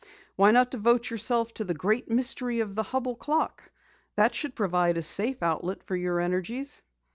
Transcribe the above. "Why not devote yourself to the great mystery of the Hubell clock? That should provide a safe outlook for your energies."